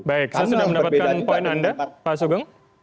baik saya sudah mendapatkan poin anda pak sugeng